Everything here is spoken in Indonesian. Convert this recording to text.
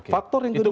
faktor yang kedua